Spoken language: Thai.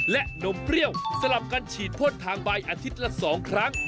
และนมเปรี้ยวสลับกันฉีดพ่นทางใบอาทิตย์ละ๒ครั้ง